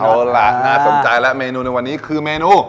เอาล่ะน่าสนใจแล้วเมนูในวันนี้คือเมนู